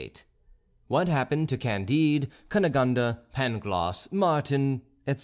XXVIII WHAT HAPPENED TO CANDIDE, CUNEGONDE, PANGLOSS, MARTIN, ETC.